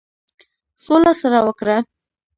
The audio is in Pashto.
سوله سره وکړه.